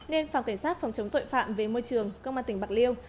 nên phòng kiểm soát phòng chống tội phạm về môi trường công an tp bạc liêu